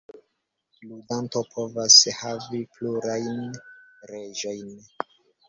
Ludanto povas havi plurajn Reĝojn.